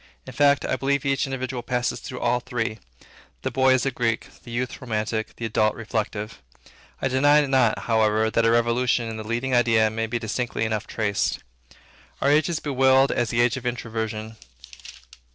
In fact, I believe each individual passes through all three. The boy is a Greek; the youth, romantic; the adult, reflective. I deny not, however, that a revolution in the leading idea may be distinctly enough traced. Our age is bewailed as the age of Introversion.